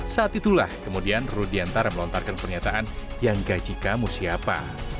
saat itulah kemudian rudiantara melontarkan pernyataan yang gaji kamu siapa